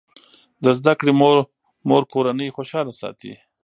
د زده کړې مور کورنۍ خوشاله ساتي.